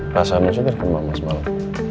masa nusi udah ke rumah mama semalam